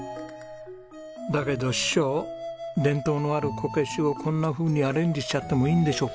だけど師匠伝統のあるこけしをこんなふうにアレンジしちゃってもいいんでしょうか？